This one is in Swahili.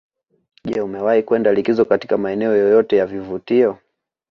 Je umewahi kwenda likizo katika maeneo yoyote ya vivutio